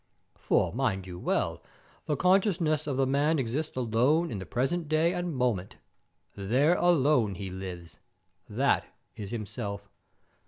For, mind you well, the consciousness of the man exists alone in the present day and moment. There alone he lives. That is himself.